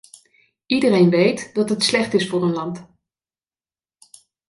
Iedereen weet dat het slecht is voor een land.